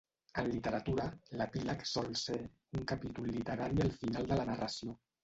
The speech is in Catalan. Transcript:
En literatura, l'epíleg sol ser un capítol literari al final de la narració.